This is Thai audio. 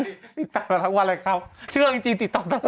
ติดต่อฮะวันแหลกขั้วเชื่อจริงติดต่อฮะ